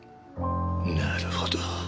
なるほど。